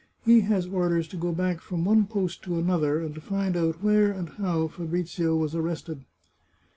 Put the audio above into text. He has orders to go back from one post to another, and to find out where and how Fabrizio was arrested."